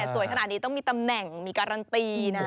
สวยขนาดนี้ต้องมีตำแหน่งมีการันตีนะ